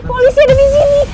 polisi ada di sini